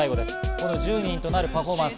この１０人となるパフォーマンス。